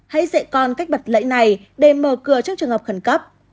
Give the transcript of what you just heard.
hãy dễ con cách bật lấy này để mở cửa trong trường hợp khẩn cấp